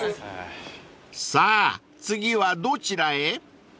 ［さあ次はどちらへ？］